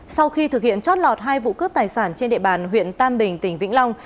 sau khi thực hiện chót lọt hai vụ cướp tài sản trên địa bàn huyện tam bình tỉnh vĩnh long